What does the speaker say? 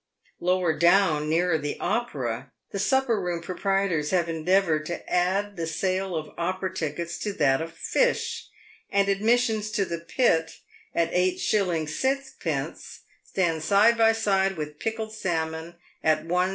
Lower down, nearer the Opera, the supper room proprietors have endeavoured to add the sale of Opera tickets to that of fish, and admissions to the pit at 8s. 6d, stand side by side with pickled salmon at Is.